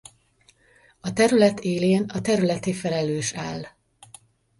A terület élén a területi felelős áll.